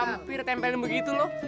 udah kaya pampir tempelin begitu lu